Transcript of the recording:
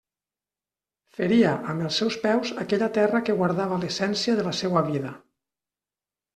Feria amb els seus peus aquella terra que guardava l'essència de la seua vida.